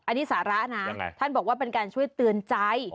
อันนี้สาระนะท่านบอกว่าเป็นการช่วยเตือนใจ